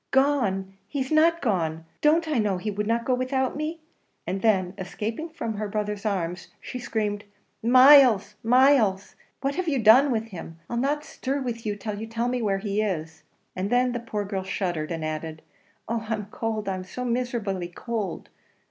"Gone! he's not gone; don't I know he would not go without me?" and then escaping from her brother's arms, she screamed, "Myles, Myles! what have you done with him? I'll not stir with you till you tell me where he is!" and then the poor girl shuddered, and added, "Oh! I'm cold, so miserably cold!"